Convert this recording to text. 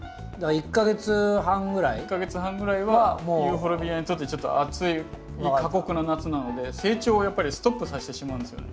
１か月半ぐらいはユーフォルビアにとってちょっと暑い過酷な夏なので成長をやっぱりストップさせてしまうんですよね。